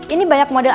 ini banyak model